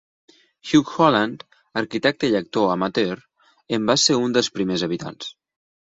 Hugh Holland, arquitecte i actor amateur, en va ser un dels primers habitants.